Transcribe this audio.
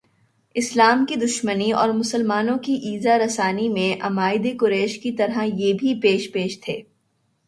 اسلام کی دشمنی اورمسلمانوں کی ایذارسانی میں عمائد قریش کی طرح یہ بھی پیش پیش تھے